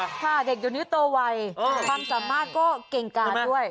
ค่ะเด็กเดี๋ยวนี้โตไวความสามารถก็เก่งกาดด้วย